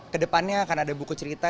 ke depannya akan ada buku cerita